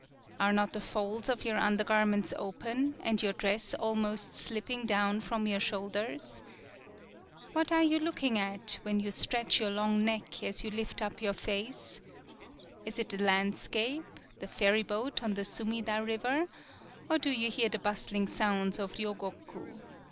Are not the folds of your undergarments open and your dress al most slipping down from your shoul ders? What are you looking at when you stretch your long neck as you lift up your face? Is it the landscape, the ferryboat on the Sumida river, or do you hear the bustling sounds of Ryogoku?